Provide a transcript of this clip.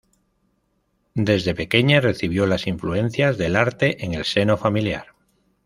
Desde pequeña recibió las influencias del arte en el seno familiar.